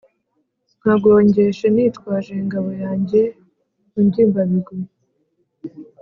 nkagongesha nitwaje ingabo yanjye rugimbabigwi